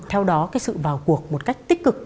theo đó cái sự vào cuộc một cách tích cực